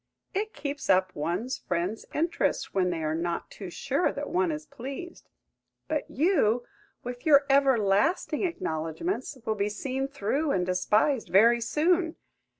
It keeps up one's friends' interest when they are not too sure that one is pleased. But you, with your everlasting acknowledgments, will be seen through, and despised very soon.!